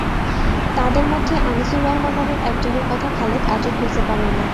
তাঁদের মধ্যে আনিসুর রহমান নামের একজনের কথা খালেক আজও ভুলতে পারেন না।